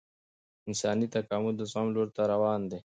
انساني تکامل د زغم لور ته روان دی